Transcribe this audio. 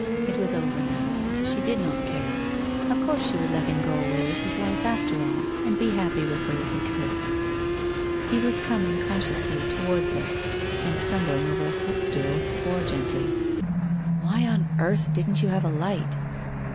It was over now. She did not care. Of course she would let him go away with his wife after all, and he happy with her if he could. ... He was coming cautiously towards her, and stumbling over a footstool, swore gently. 'Why on earth didn't you have a light?'